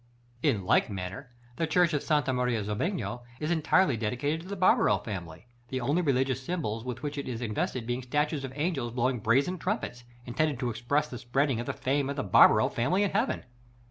In like manner, the Church of Santa Maria Zobenigo is entirely dedicated to the Barbaro family; the only religious symbols with which it is invested being statues of angels blowing brazen trumpets, intended to express the spreading of the fame of the Barbaro family in heaven.